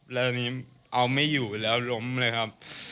แล้วอันนี้เอาไม่อยู่แล้วล้มเลยครับ